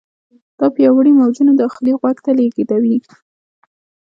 دا پیاوړي موجونه داخلي غوږ ته لیږدوي.